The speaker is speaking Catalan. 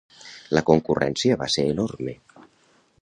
La concurrència va ser enorme.